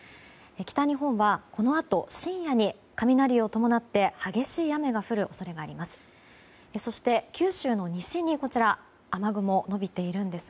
北日本は、このあと深夜に雷を伴って激しい雨が降る恐れがあります。